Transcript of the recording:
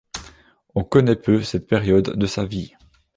On connaît peu cette période de sa vie.